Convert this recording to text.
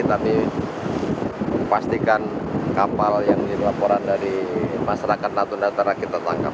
tapi pastikan kapal yang dilaporan dari masyarakat latar latar kita tangkap